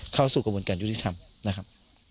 เข้าสู่กระบวนการยุติธรรมนะครับ